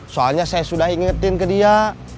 soalnya saya sudah ingetin ke dia